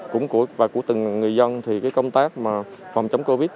cũng và của từng người dân thì cái công tác mà phòng chống covid